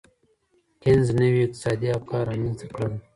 کینز نوي اقتصادي افکار رامنځته کړل.